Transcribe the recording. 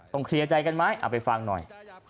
เคลียร์ใจกันไหมเอาไปฟังหน่อย